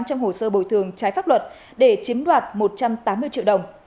trong hồ sơ bồi thường trái pháp luật để chiếm đoạt một trăm tám mươi triệu đồng